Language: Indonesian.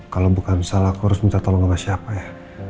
kalau bukan salah aku harus minta tolong sama siapa ya